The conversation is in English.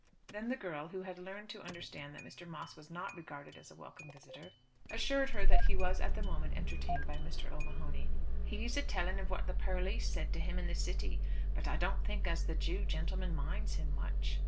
Then the girl, who had learned to understand that Mr. Moss was not regarded as a welcome visitor, assured her that he was at the moment entertained by Mr. O'Mahony. "He's a telling of what the perlice said to him in the City, but I don't think as the Jew gentleman minds him much."